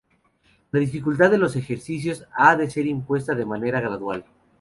La dificultad de los ejercicios ha de ser impuesta de manera gradual.